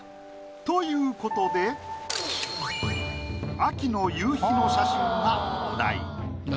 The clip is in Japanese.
ということで秋の夕日の写真がお題。